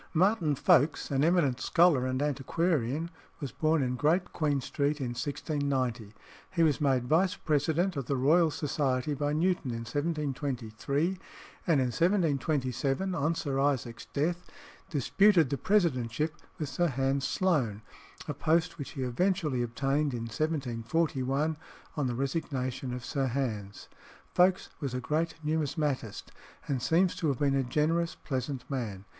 Martin Folkes, an eminent scholar and antiquarian, was born in Great Queen Street in 1690. He was made vice president of the Royal Society by Newton in 1723, and in 1727, on Sir Isaac's death, disputed the presidentship with Sir Hans Sloane, a post which he eventually obtained in 1741, on the resignation of Sir Hans. Folkes was a great numismatist, and seems to have been a generous, pleasant man.